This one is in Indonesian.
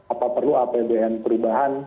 apa perlu apbn perubahan